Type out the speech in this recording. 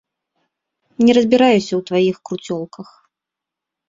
Не разбіраюся ў тваіх круцёлках.